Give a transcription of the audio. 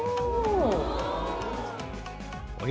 お！